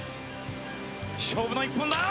勝負の一本だ！